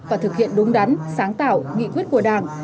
và thực hiện đúng đắn sáng tạo nghị quyết của đảng